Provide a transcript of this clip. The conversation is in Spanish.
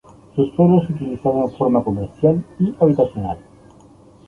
Su suelo es utilizado en forma comercial y habitacional.